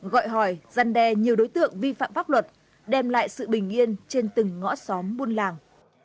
gọi hỏi gian đe nhiều đối tượng vi phạm pháp luật đem lại sự bình yên trên từng ngõ xóm buôn làng